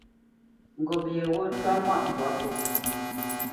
Ŋgop yeghó ntwá mâʼ mbwǎ pō.